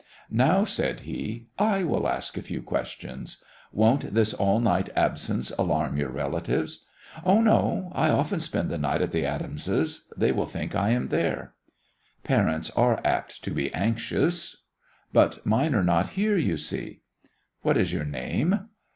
"Now," said he, "I will ask a few questions. Won't this all night absence alarm your relatives?" "Oh, no. I often spend the night at the Adamses'. They will think I am there." "Parents are apt to be anxious." "But mine are not here, you see." "What is your name?"